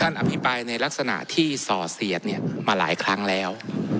อภิปรายในลักษณะที่ส่อเสียดมาหลายครั้งแล้ว